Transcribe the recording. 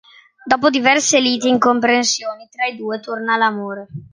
Dopo diverse liti e incomprensioni tra i due torna l'amore.